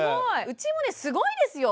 うちもねすごいですよ。